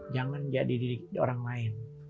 jangan jadi diri orang lain